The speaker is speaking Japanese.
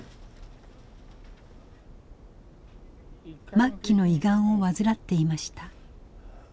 末期の胃がんを患っていました。